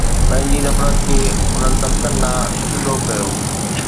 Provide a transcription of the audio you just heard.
پنهنجي نفرت کي انهن طبقن ڏانهن سڌو ڪيو